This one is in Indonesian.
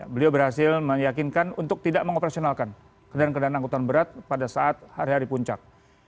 beliau berhasil meyakinkan untuk tidak mengoperasionalkan kendaraan kendaraan angkutan berat pada saat hari hari puncak